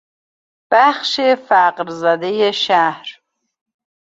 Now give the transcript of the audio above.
بخش فقر زدهی شهر